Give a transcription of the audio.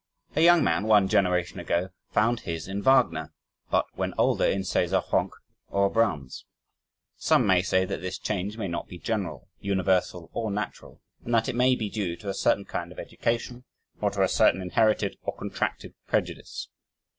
A young man, one generation ago, found his in Wagner, but when older in Cesar Franck or Brahms. Some may say that this change may not be general, universal, or natural, and that it may be due to a certain kind of education, or to a certain inherited or contracted prejudice.